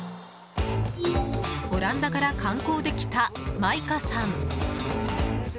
オランダから観光で来たマイカさん。